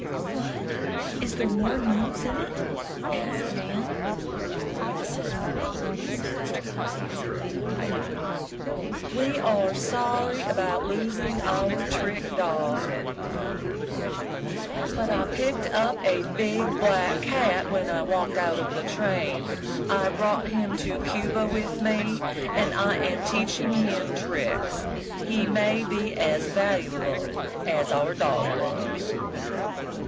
"What! Is there more news in it?" asked Nan. "Listen," said Mr. Bobbsey, as he went on reading: "We are sorry about losing our trick dog," the fat lady wrote, "but I picked up a big black cat when I walked out of the train. I brought him to Cuba with me, and I am teaching him tricks. He may be as valuable as our dog was."